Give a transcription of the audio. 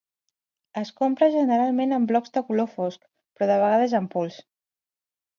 Es compra generalment en blocs de color fosc, però de vegades en pols.